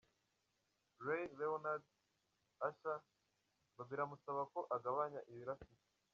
Ray Leonard, Usher biramusaba ko agabanya ibiro afite.